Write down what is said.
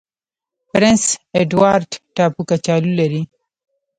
پرنس اډوارډ ټاپو کچالو لري.